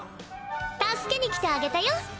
助けに来てあげたよ